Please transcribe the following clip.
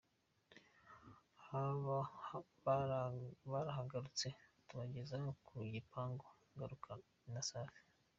Barahagurutse tubageza ku gipangu ngarukana na Sifa.